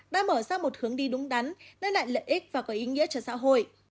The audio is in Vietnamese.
đã mở ra một hướng đi đúng đắn đem lại lợi ích và có ý nghĩa cho xã hội